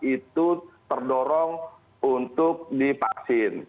itu terdorong untuk divaksin